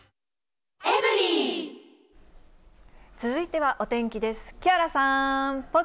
続いてはお天気です。